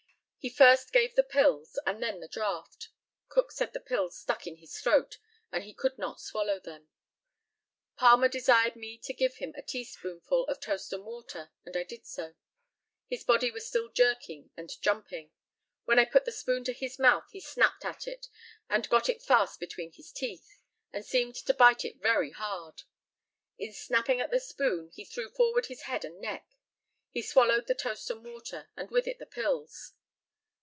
He first gave the pills, and then the draught. Cook said the pills stuck in his throat, and he could not swallow them. Palmer desired me to give him a teaspoonful of toast and water, and I did so. His body was still jerking and jumping. When I put the spoon to his mouth he snapped at it and got it fast between his teeth, and seemed to bite it very hard. In snapping at the spoon he threw forward his head and neck. He swallowed the toast and water, and with it the pills.